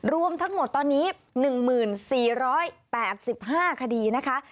รวมทั้งหมดตอนนี้๑๔๘๕คดีนะคะ